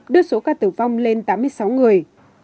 đưa số ca tử vong lên tám mươi sáu người